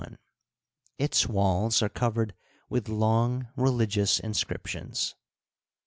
Its waU^ are cov ered with long religious inscriptions.